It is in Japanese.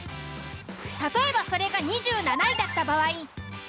例えばそれが２７位だった場合。